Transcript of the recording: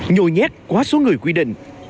nhồi nhét quá số người quy định